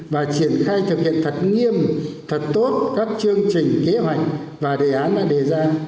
và triển khai thực hiện thật nghiêm thật tốt các chương trình kế hoạch và đề án đã đề ra